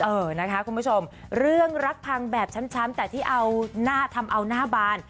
เออนะคะคุณผู้ชมเรื่องรักพังแบบช้ำแต่ที่เอาหน้าทำเอาหน้าบาน